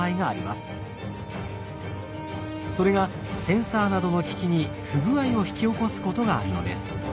それがセンサーなどの機器に不具合を引き起こすことがあるのです。